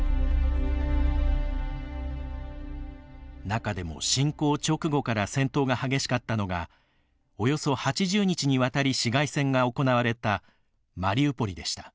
中でも侵攻直後から戦闘が激しかったのがおよそ８０日にわたり市街戦が行われたマリウポリでした。